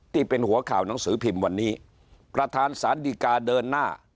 ที่เป็นหัวข่าวหนังสือพิมพ์วันนี้ประธานสารดีกาเดินหน้า